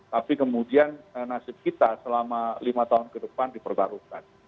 tapi kemudian nasib kita selama lima tahun ke depan diperbarukan